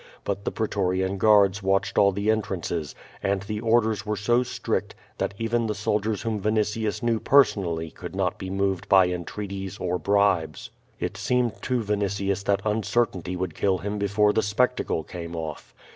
But the pretorian guards watched all the entrances, and the orders were so strict that even the soldiers whom Vinitius knew personally could not be moved by entreaties or bribes. It seemed to Vinitius that uncertainty would kill him before the spectacle came off.